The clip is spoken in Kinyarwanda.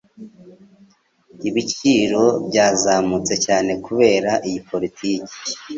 Ibiciro byazamutse cyane kubera iyi politiki.